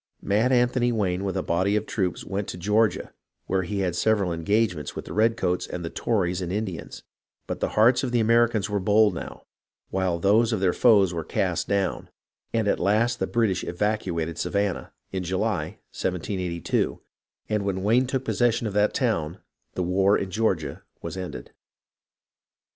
Mad Anthony Wayne with a body of troops went to Georgia, where he had several engagements with the red coats and the Tories and Indians ; but the hearts of the Americans were bold now, while those of their foes were cast down, and at last the British evacuated Savannah, in July, 1782, and when Wayne took possession of that town the war in Georgia was ended.